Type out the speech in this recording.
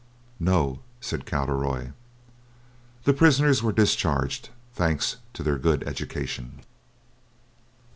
"No," said Cowderoy. The prisoners were discharged, thanks to their good education.